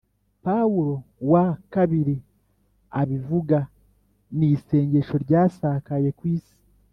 pawulo wa ii abivuga : ni isengesho ryasakaye ku isi